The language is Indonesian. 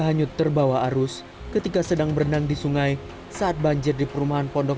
hanyut terbawa arus ketika sedang berenang di sungai saat banjir di perumahan pondok